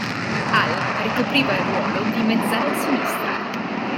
Al ricopriva il ruolo di mezzala sinistra.